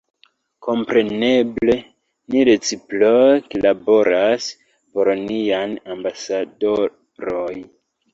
Kompreneble, ni reciproke laboras por niaj ambasadoroj